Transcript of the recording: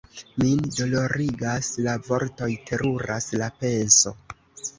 Min dolorigas la vortoj, teruras la penso!